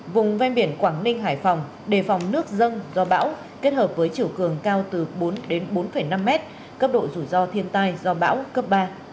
vùng ven biển quảng ninh hải phòng đề phòng nước dâng do bão kết hợp với chiều cường cao từ bốn đến bốn năm mét cấp độ rủi ro thiên tai do bão cấp ba